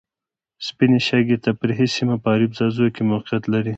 سپینې شګې تفریحي سیمه په اریوب ځاځیو کې موقیعت لري.